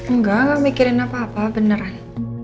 nggak nggak mikirin apa apa beneran